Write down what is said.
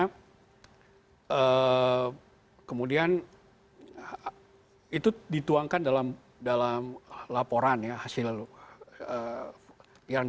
kemudian itu dituangkan dalam laporan ya hasil yang dipastikan